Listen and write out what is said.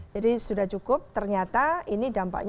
jadi sudah cukup ternyata ini dampaknya